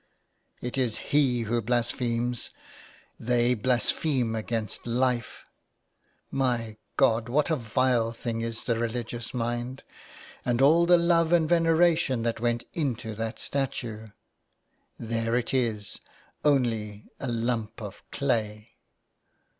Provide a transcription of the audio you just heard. It is he "who blasphemes. They blaspheme against Life ... My God, what a vile thing is the religious mind. And all the love and veneration that went into that statue! There it is: only a lump of clay.'